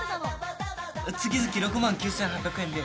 月々６万９８００円で。